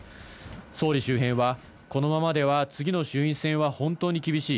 総理周辺はこのままでは次の衆院選は本当に厳しい。